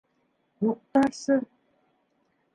Юҡтарсы...